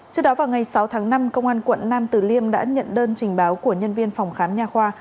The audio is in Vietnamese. trước đó vào ngày sáu tháng năm công an quận nam tử liêm đã nhận đơn trình báo của nhân viên phòng khám nhà khoa